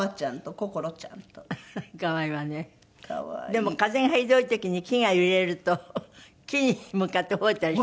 でも風がひどい時に木が揺れると木に向かってほえたり。